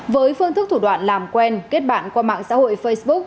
với phương thức thủ đoạn làm quen kết bạn qua mạng xã hội facebook